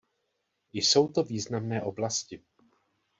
Jsou to významné oblasti.